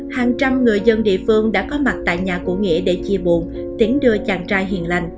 hàng trăm người dân địa phương đã có mặt tại nhà của nghĩa để chia buồn tiễn đưa chàng trai hiền lành